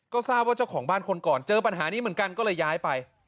ก็ทราบว่าเจ้าของบ้านคนก่อนเจอปัญหานี้เหมือนกันก็เลยย้ายไป